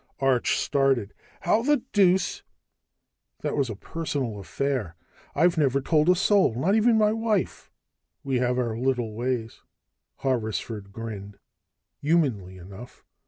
Arch started. "How the deuce ? That was a personal affair. I've never told a soul, not even my wife!" "We have our little ways." Horrisford grinned, humanly enough.